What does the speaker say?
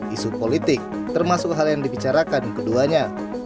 isu politik termasuk hal yang dibicarakan keduanya